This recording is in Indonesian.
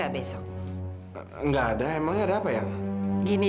sebenarnya itu lihat izin yang penting